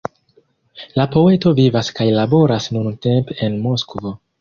La poeto vivas kaj laboras nuntempe en Moskvo.